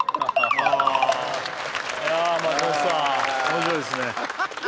いやー松本さん面白いですね